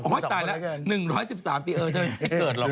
โอ้โหตายแล้วมี๑๑๓ปีเกิดหรอ